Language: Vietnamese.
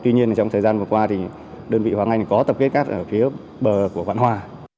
tuy nhiên trong thời gian vừa qua thì đơn vị hoàng anh có tập kết cát ở phía bờ của vạn hòa